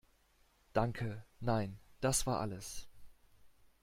Danke, nein das war alles.